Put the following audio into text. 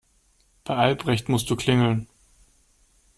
Bei Albrecht musst du klingeln.